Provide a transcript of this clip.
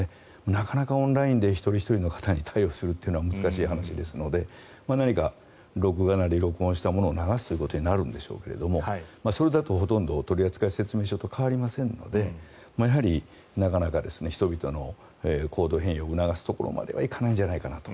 なかなかオンラインで一人ひとりの方に対応するのは難しい話ですので何か録画なり録音したものを流すことになるんでしょうけどそれだとほとんど取扱説明書と変わりませんのでやはり、なかなか人々の行動変容を促すところまで行かないんじゃないかなと。